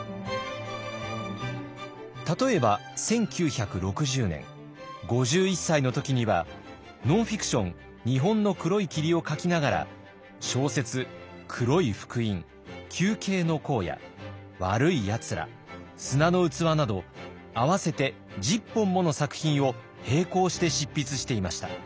例えば１９６０年５１歳の時にはノンフィクション「日本の黒い霧」を書きながら小説「黒い福音」「球形の荒野」「わるいやつら」「砂の器」など合わせて１０本もの作品を並行して執筆していました。